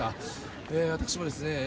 私もですね上京。